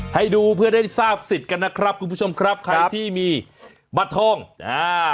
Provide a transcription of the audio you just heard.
ให้ดูเพื่อได้ทราบสิทธิ์กันนะครับคุณผู้ชมครับใครที่มีบัตรทองอ่า